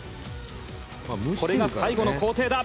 これが最後の工程だ